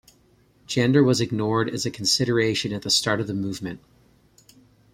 Gender was ignored as a consideration at the start of the movement.